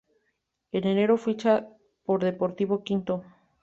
En Enero ficha por Deportivo Quito.